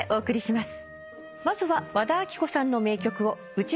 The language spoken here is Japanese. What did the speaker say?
まずは。